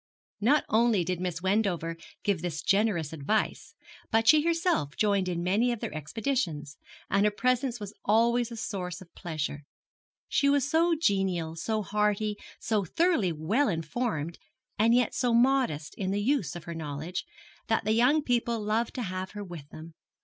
Not only did Miss Wendover give this generous advice, but she herself joined in many of their expeditions, and her presence was always a source of pleasure. She was so genial, so hearty, so thoroughly well informed, and yet so modest in the use of her knowledge, that the young people loved to have her with them.